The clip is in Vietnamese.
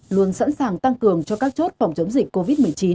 luôn sẵn sàng tăng cường cho các chốt phòng chống dịch covid một mươi chín